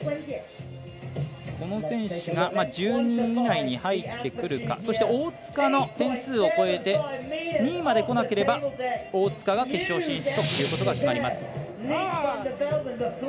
この選手が１２位以内に入ってくるかそして、大塚の点数を超えて２位までこなければ大塚が決勝進出ということが決まります。